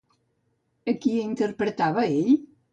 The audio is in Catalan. A qui interpretava ell?